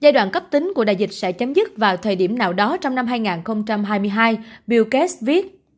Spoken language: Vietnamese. giai đoạn cấp tính của đại dịch sẽ chấm dứt vào thời điểm nào đó trong năm hai nghìn hai mươi hai biokes viết